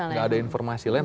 nggak ada informasi lain